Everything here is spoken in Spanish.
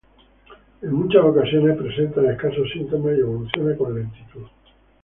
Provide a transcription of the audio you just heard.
En muchas ocasiones presentan escasos síntomas y evolucionan con lentitud.